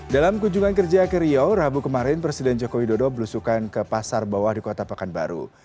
dalam kunjungan kerja ke riau rabu kemarin presiden joko widodo berusukan ke pasar bawah di kota pekanbaru